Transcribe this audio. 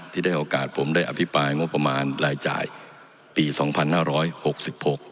ที่ได้โอกาสผมได้อภิปรายงบประมาณรายจ่ายปีสองพันห้าร้อยหกสิบหก